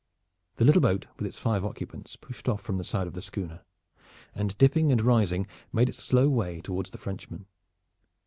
The little boat with its five occupants pushed off from the side of the schooner, and dipping and rising, made its slow way toward the Frenchman.